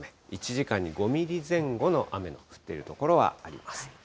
１時間に５ミリ程度の雨の降っている所はあります。